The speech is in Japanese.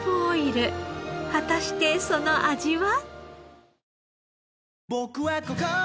果たしてその味は？